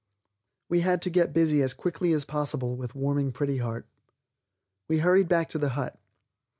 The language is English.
We had to get busy as quickly as possible with warming Pretty Heart. We hurried back to the hut.